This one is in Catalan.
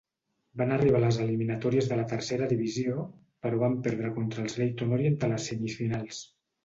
Van arribar a les eliminatòries de la Tercera Divisió però van perdre contra els Leyton Orient a les semifinals.